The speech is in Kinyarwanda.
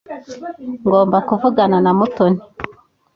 Ngomba kuvugana na Mutoni.